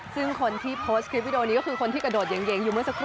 ซึ่งคนที่โพสต์คลิปวิดีโอนี้ก็คือคนที่กระโดดเย็งอยู่เมื่อสักครู่